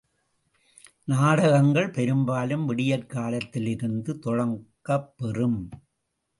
நாடகங்கள் பெரும்பாலும் விடியற்காலத்திலிருந்து தொடங்கப் பெறும்.